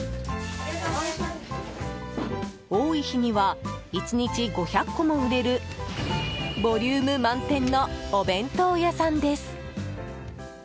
多い日には１日５００個も売れるボリューム満点のお弁当屋さんです。